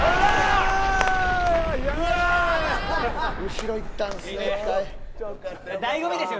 後ろ行ったんですよ。